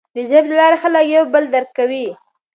د ژبې له لارې خلک یو بل درک کوي.